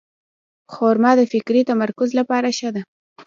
خرما د فکري تمرکز لپاره ښه ده.